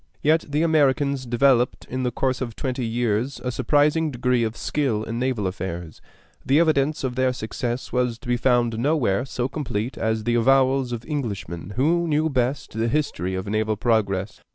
Yet the Americans developed, in the course of twenty years, a surprising degree of skill in naval affairs. The evidence of their success was to be found nowhere so complete as in the avowals of Englishmen who knew best the history of naval progress.